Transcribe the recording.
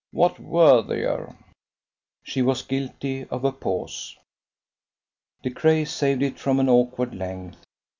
"What worthier?" She was guilty of a pause. De Craye saved it from an awkward length.